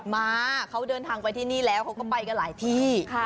มาเขาเดินทางไปที่นี่แล้วเขาก็ไปกันหลายที่